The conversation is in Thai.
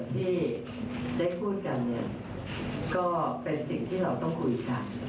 ที่ได้พูดกันเนี่ยก็เป็นสิ่งที่เราต้องคุยกัน